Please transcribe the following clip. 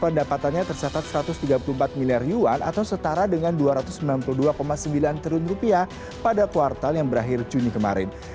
pendapatannya tercatat satu ratus tiga puluh empat miliar yuan atau setara dengan dua ratus sembilan puluh dua sembilan triliun rupiah pada kuartal yang berakhir juni kemarin